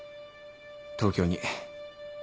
東京に。